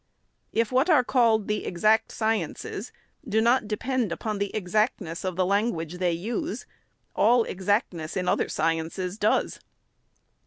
If what arc called the exact sciences do not depend upon the exact ness of the language they use, all exactness in other sciences does.